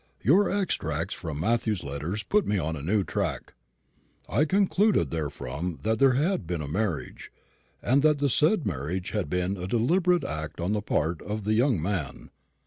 Your extracts from Matthew's letters put me on a new track. I concluded therefrom that there had been a marriage, and that the said marriage had been a deliberate act on the part of the young man.